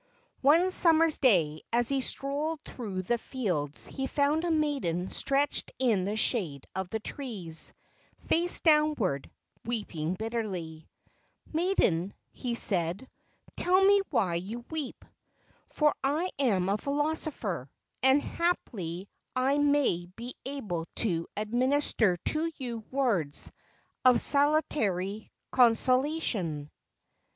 One summer's day as he strolled through the fields he found a maiden stretched in the shade of the trees, face downward, weeping bitterly. "Maiden," he said, "tell me why you weep. For I am a philosopher, and haply I may be able to ad minister to you words of salutary consolation."